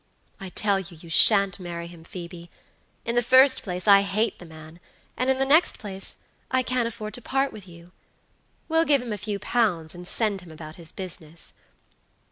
I tell you you sha'n't marry him, Phoebe. In the first place I hate the man; and, in the next place I can't afford to part with you. We'll give him a few pounds and send him about his business."